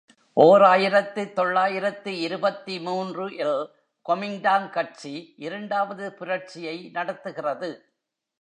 ஓர் ஆயிரத்து தொள்ளாயிரத்து இருபத்து மூன்று ல் கொமிங்டாங் கட்சி இரண்டாவது, புரட்சியை நடத்துகிறது.